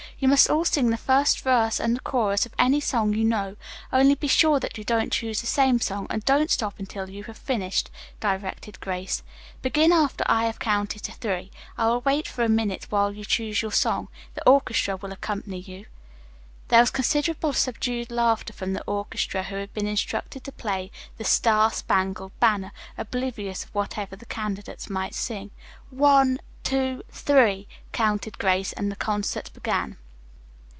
You may all sing the first verse and the chorus of any song you know, only be sure that you don't choose the same song, and don't stop until you have finished," directed Grace. "Begin after I have counted three. I will wait for a minute while you choose your song. The orchestra will accompany you." There was considerable subdued laughter from the orchestra, who had been instructed to play "The Star Spangled Banner," oblivious of whatever the candidates might sing. "One, two, three!" counted Grace, and the concert began.